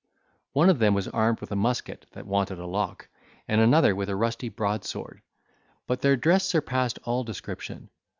One of them was armed with a musket that wanted a lock, and another with a rusty broadsword, but their dress surpassed all description.